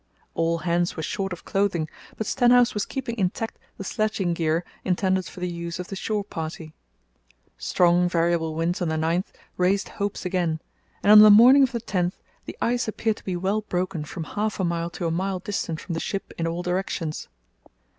All hands were short of clothing, but Stenhouse was keeping intact the sledging gear intended for the use of the shore party. Strong, variable winds on the 9th raised hopes again, and on the morning of the 10th the ice appeared to be well broken from half a mile to a mile distant from the ship in all directions.